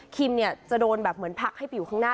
คิมเนี่ยจะโดนแบบเหมือนพักให้ผิวข้างหน้า